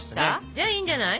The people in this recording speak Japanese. じゃあいいんじゃない？